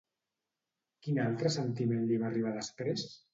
Quin altre sentiment li va arribar després?